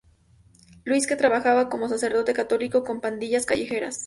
Louis, que trabajaba como sacerdote católico con pandillas callejeras.